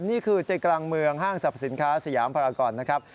นี่คือใจกลางเมืองห้างสรรพสินค้าสยามภารกรนะครับ